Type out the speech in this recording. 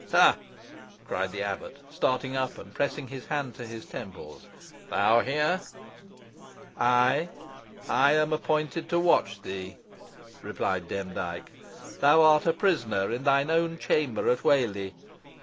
"Ha!" cried the abbot, starting up and pressing his hand to his temples; "thou here?" "Ay, I am appointed to watch thee," replied Demdike. "Thou art a prisoner in thine own chamber at Whalley.